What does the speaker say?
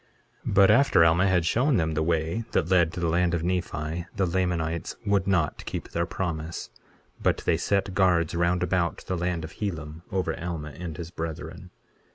23:37 But after Alma had shown them the way that led to the land of Nephi the Lamanites would not keep their promise; but they set guards round about the land of Helam, over Alma and his brethren.